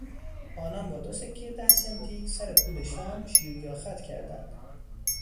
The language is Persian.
آنها با دو سکهی ده سنتی سر پول شام شیر یا خط کردند.